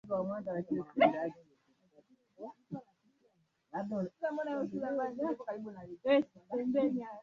Hapo ndipo historia ikaja kumtambua Kinjekitile kama kiongozi wa kivita